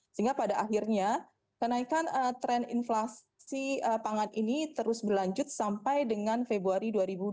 sehingga pada akhirnya kenaikan tren inflasi pangan ini terus berlanjut sampai dengan februari dua ribu dua puluh